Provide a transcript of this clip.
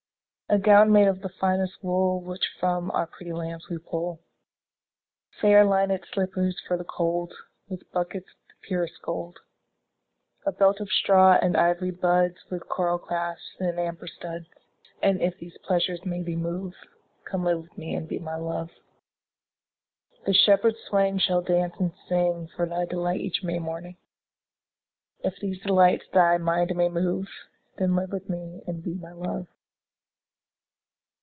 A gown made of the finest wool Which from our pretty lambs we pull; Fair linèd slippers for the cold, 15 With buckles of the purest gold. A belt of straw and ivy buds With coral clasps and amber studs: And if these pleasures may thee move, Come live with me and be my Love. 20 The shepherd swains shall dance and sing For thy delight each May morning: If these delights thy mind may move, Then live with me and be my Love.